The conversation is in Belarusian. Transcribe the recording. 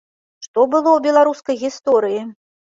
Што было ў беларускай гісторыі?